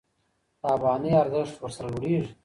د افغانۍ ارزښت ورسره لوړېږي.